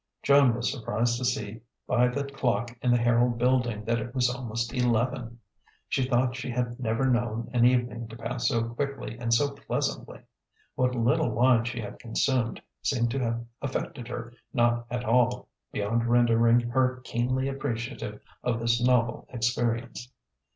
Joan was surprised to see by the clock in the Herald building that it was almost eleven. She thought she had never known an evening to pass so quickly and so pleasantly. What little wine she had consumed seemed to have affected her not at all, beyond rendering her keenly appreciative of this novel experience.